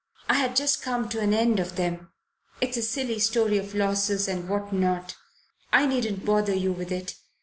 "I had just come to an end of them. It's a silly story of losses and what not I needn't bother you with it.